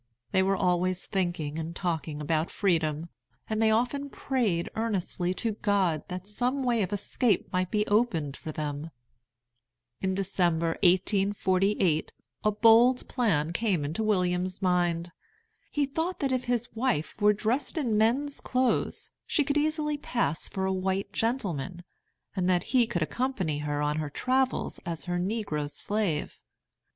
They were always thinking and talking about freedom, and they often prayed earnestly to God that some way of escape might be opened for them. In December, 1848, a bold plan came into William's mind. He thought that if his wife were dressed in men's clothes she could easily pass for a white gentleman, and that he could accompany her on her travels as her negro slave.